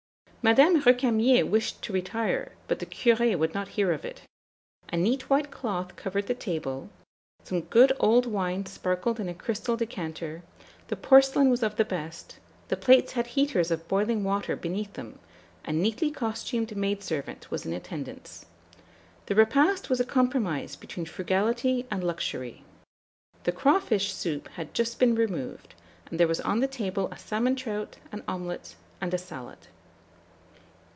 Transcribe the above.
"Madame Récamier wished to retire, but the Curé would not hear of it. A neat white cloth covered the table; some good old wine sparkled in a crystal decanter; the porcelain was of the best; the plates had heaters of boiling water beneath them; a neatly costumed maid servant was in attendance. The repast was a compromise between frugality and luxury. The crawfish soup had just been removed, and there was on the table a salmon trout, an omelet, and a salad.